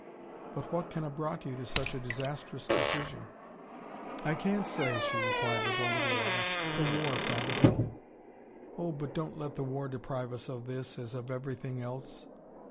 "But what can have brought you to such a disastrous decision?" "I can't say," she replied, with a little laugh. "The war, probably." "Oh, but don't let the war deprive us of this, as of everything else."